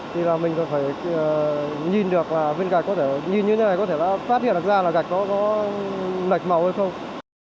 thì mình cần nhìn được là viên gạch có thể nhìn như thế này có thể phát hiện ra là gạch có lệch màu hay không